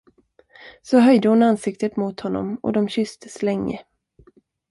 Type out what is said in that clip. Så höjde hon ansiktet mot honom, och de kysstes länge.